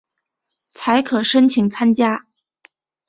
才可申请参加